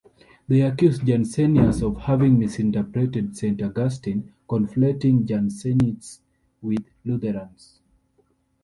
They accused Jansenius of having misinterpreted Saint Augustine, conflating Jansenists with Lutherans.